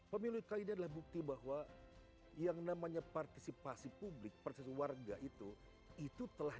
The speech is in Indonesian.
pemerintah ini adalah bukti bahwa yang namanya partisipasi publik persis warga itu itu telah